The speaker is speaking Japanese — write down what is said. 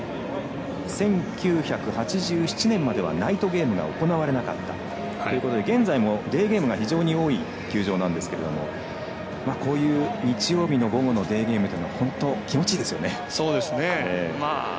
１９８７年まではナイトゲームが行われなかったということで現在もデイゲームが多い球場なんですけれどもこういう日曜日の午後のデイゲームというのは本当に気持ちいですよね。